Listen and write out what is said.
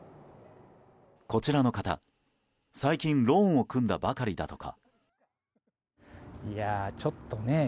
こちらの方、最近ローンを組んだばかりだとか。